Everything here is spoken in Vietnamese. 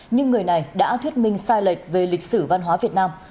nhưng người này đã thuyết minh sai lệch về lịch sử văn hóa việt nam